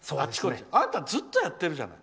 あなた、ずっとやってるじゃない。